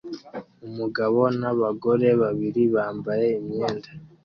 Umugabo n'abagore babiri bambaye imyenda